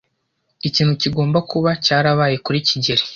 Ikintu kigomba kuba cyarabaye kuri kigeli.